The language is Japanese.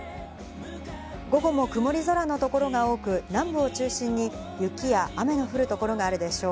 午後も曇り空の所が多く、南部を中心に雪や雨の降る所があるでしょう。